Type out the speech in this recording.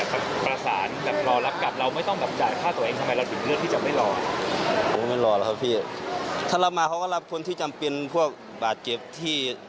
ถ้าเรามาเขาก็รับคนที่จำเป็นพวกบาดเจ็บที่